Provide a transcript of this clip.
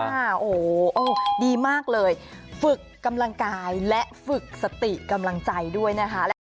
โอ้โหดีมากเลยฝึกกำลังกายและฝึกสติกำลังใจด้วยนะคะ